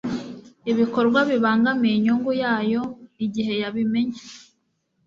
ibikorwa bibangamiye inyungu yayo igihe yabimenye